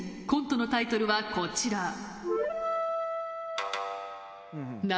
コントのタイトルはこちら。